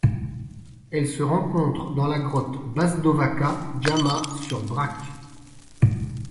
Elle se rencontre dans la grotte Bazdovača Jama sur Brač.